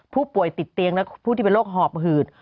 ผู้ป่วยติดเตียงและผู้ที่เป็นโรคหอบหืด